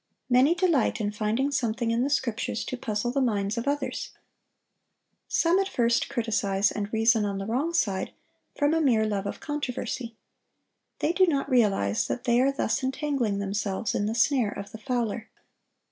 Many delight in finding something in the Scriptures to puzzle the minds of others. Some at first criticise and reason on the wrong side, from a mere love of controversy. They do not realize that they are thus entangling themselves in the snare of the fowler.